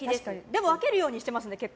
でも分けるようにしていますね。